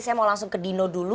saya mau langsung ke dino dulu